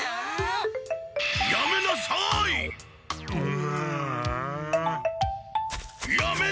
やめなさい！